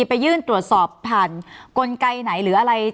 ไปยื่นตรวจสอบผ่านกลไกไหนหรืออะไร